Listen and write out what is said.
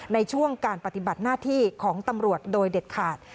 ในช่วงการปฏิบัติหน้าที่ของตำรวจโดยเด็ดขาด